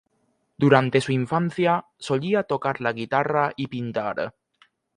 Durante su infancia solía tocar la guitarra y pintar.